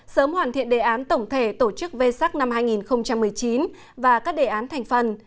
sớm hoàn thiện đề án tổng thể tổ chức v sắc năm hai nghìn một mươi chín và các đề án thành phần